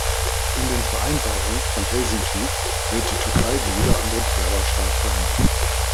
In den Vereinbarungen von Helsinki wird die Türkei wie jeder andere Bewerberstaat behandelt.